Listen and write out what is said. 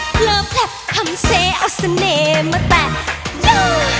เพลิบแหลบทำเสียเอาเสน่ห์มาแตะ